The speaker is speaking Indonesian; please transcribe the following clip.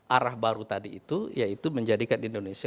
arah baru tadi itu yaitu menjadikan indonesia